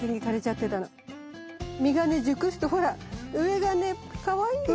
実がね熟すとほら上がねかわいいんですよ。